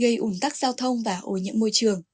gây ủn tắc giao thông và hồi nhận môi trường